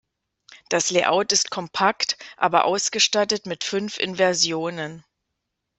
Das Layout ist kompakt aber ausgestattet mit fünf Inversionen.